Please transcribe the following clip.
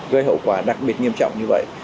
gây hậu quả đặc biệt nghiêm trọng như vậy